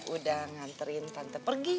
udah nganterin tante jadi